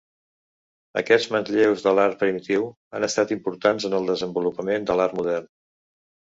Aquests manlleus de l'art primitiu han estat importants en el desenvolupament de l'art modern.